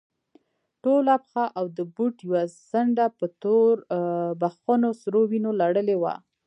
ټوله پښه او د بوټ يوه څنډه په توربخونو سرو وينو لړلې وه.